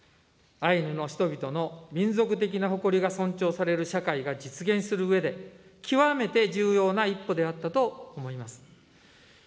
アイヌの人々の民族的な誇りが尊重される社会が実現するうえで、極めて重要な一歩であったと思います。